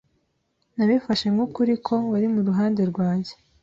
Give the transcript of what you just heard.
Nabifashe nk'ukuri ko wari mu ruhande rwanjye.